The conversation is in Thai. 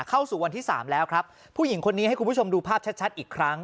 เข้าสู่วันที่สามแล้วครับผู้หญิงคนนี้ให้คุณผู้ชมดูภาพชัดชัดอีกครั้ง